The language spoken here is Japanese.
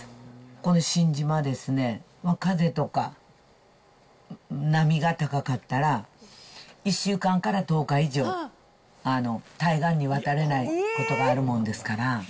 この新島ですね、風とか、波が高かったら１週間から１０日以上、対岸に渡れないことがあるもんですから。